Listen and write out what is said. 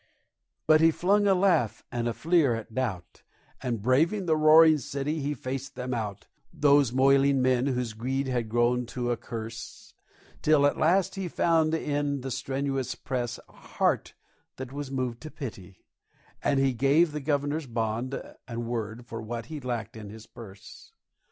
But he flung a laugh and a fleer at doubt, and braving the roaring city He faced them out those moiling men whose greed had grown to a curse Till at last he found in the strenuous press a heart that was moved to pity, And he gave the Governor's bond and word for what he lacked in his purse.